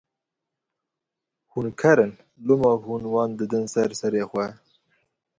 Hûn ker in loma hûn wan didin ser serê xwe